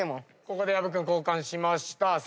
ここで薮君交換しました。